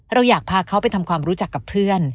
เราอยากพาเขาไปทำความรู้จักกับเพื่อน